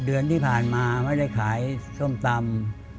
เมื่อขายทุ่มตำก็มีรายได้อยู่ประมาณวันละ๕๐๐บาท